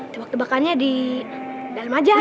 tebak tebakannya di dalam aja